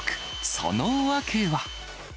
その訳は。